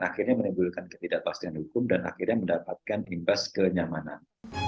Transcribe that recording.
akhirnya menimbulkan ketidakpastian hukum dan akhirnya mendapatkan imbas kenyamanan